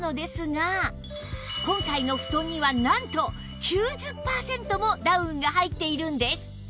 今回の布団にはなんと９０パーセントもダウンが入っているんです